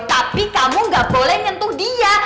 tapi kamu gak boleh nyentuh dia